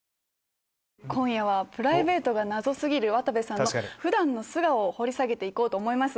今夜はプライベートが謎過ぎる渡部さんの普段の素顔を掘り下げて行こうと思います。